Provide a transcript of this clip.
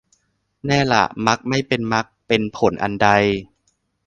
แน่ล่ะมักไม่เป็นมรรคเป็นผลอันใด